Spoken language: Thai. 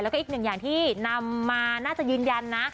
แล้วก็อีกหนึ่งอย่างที่นำมาน่าจะยืนยันนะ